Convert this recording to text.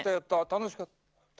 楽しかった。